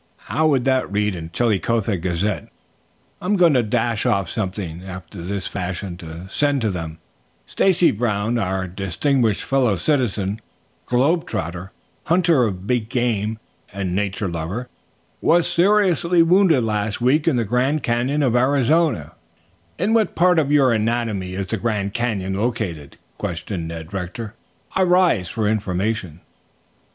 How would that read in the Chillicothe 'Gazette' I'm going to dash off something after this fashion to send them: 'Stacy Brown, our distinguished fellow citizen, globe trotter, hunter of big game and nature lover, was seriously wounded last week in the Grand Canyon of Arizona '" "In what part of your anatomy is the Grand Canyon located?" questioned Ned Rector. "I rise for information."